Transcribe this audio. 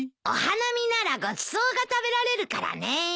お花見ならごちそうが食べられるからね。